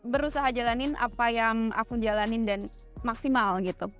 berusaha jalanin apa yang aku jalanin dan maksimal gitu